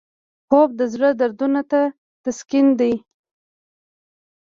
خوب د زړه دردونو ته تسکین دی